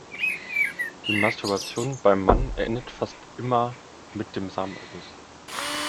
Die Masturbation beim Mann endet fast immer mit dem Samenerguss.